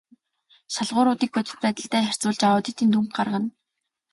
Шалгууруудыг бодит байдалтай харьцуулж аудитын дүнг гаргана.